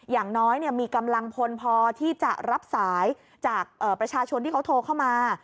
อย่างน้อยมีกำลังพลพอที่จะรับสายจากประชาชนที่เขาโทรเข้ามา